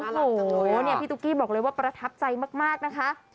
โอ้โหเนี่ยพี่ตุ๊กกี้บอกเลยว่าประทับใจมากนะคะ